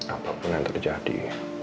apapun yang terjadi